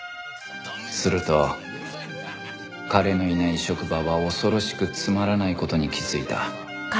すると彼のいない職場は恐ろしくつまらない事に気づいた